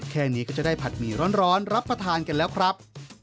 แค่นี้ก็จะได้ผัดหมี่ร้อนรับประทานกันแล้วครับ